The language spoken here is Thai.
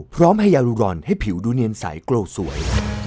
พร้อมให้ยารูรอนให้ผิวดูเนียนใสโกรธสวย